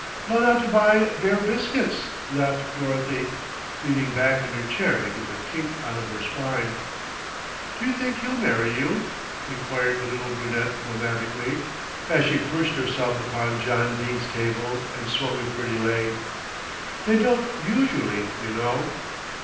"Gone out to buy bear biscuits," laughed Dorothy, leaning back in her chair to get the kink out of her spine. "Do you think he'll marry you?" enquired the little brunette romantically, as she perched herself upon John Dene's table and swung a pretty leg. "They don't usually, you know."